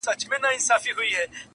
قافیلې د ستورو وتړه سالاره،